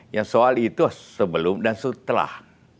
ya soal itu sebelum dan setelah